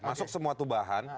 masuk semua tubahan